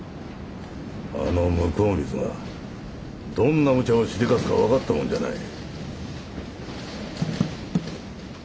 あの向こう見ずがどんなむちゃをしでかすか分かったもんじゃない。